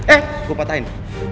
eh gue patahin